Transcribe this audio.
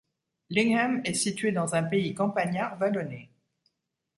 Linghem est située dans un pays campagnard vallonné.